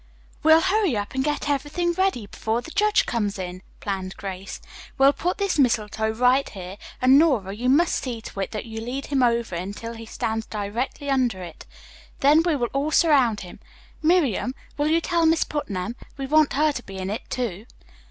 "We'll hurry up and get everything ready before the judge comes in," planned Grace. "We'll put this mistletoe right here, and Nora, you must see to it that you lead him over until he stands directly under it. Then we will all surround him. Miriam, will you tell Miss Putnam? We want her to be in it, too."